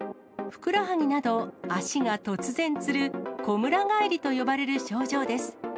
ふくらはぎなど足が突然つる、こむら返りと呼ばれる症状です。